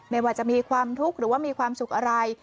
ไม่ว่าจะมีความทุกข์หรือว่ามีความสุขอะไร